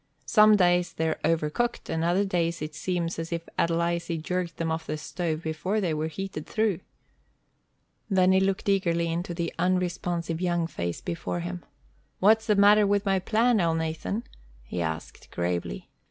Some days they're overcooked, and other days it seems as if Adelizy jerked them off the stove before they were heated through." Then he looked eagerly into the unresponsive young face before him. "What's the matter with my plan, Elnathan?" he asked, gravely.